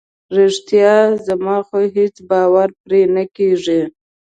رښتیا؟ زما خو هیڅ باور پرې نه کیږي.